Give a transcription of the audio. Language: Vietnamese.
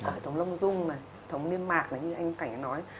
hệ thống lông dung hệ thống niêm mạc như anh cảnh nói